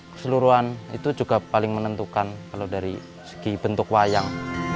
keseluruhan itu juga paling menentukan kalau dari segi bentuk wayang